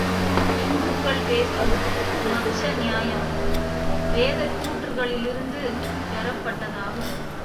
இந்துக்கள் பேசும் மச்ச நியாயம் வேதக் கூற்றுகளிலிருந்து பெறப்பட்டதாகும்.